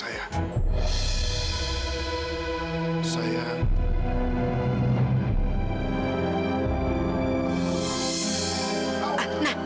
apa belum cukup mas itu adalah ayah kandung rizky dan saya ini mantap istri mas